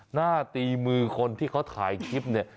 หน้าตีมือคนที่เขาถ่ายคลิปเนี่ย